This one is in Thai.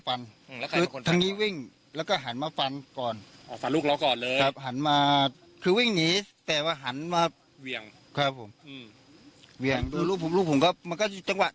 ป้องกันตัวเหรอฮะ